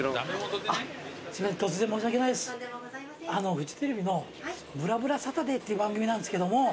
フジテレビの『ぶらぶらサタデー』っていう番組なんですけども。